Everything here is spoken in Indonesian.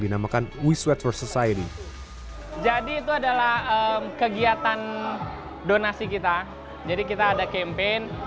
dinamakan wishwet for society jadi itu adalah kegiatan donasi kita jadi kita ada campaign